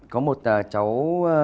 có một cháu